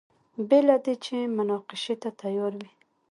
بې له دې چې مناقشې ته تیار وي.